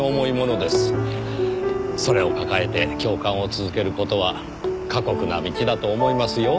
それを抱えて教官を続ける事は過酷な道だと思いますよ。